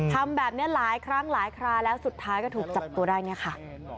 ทำแบบนี้หลายครั้งหลายคราแล้วสุดท้ายก็ถูกจับตัวได้เนี่ยค่ะ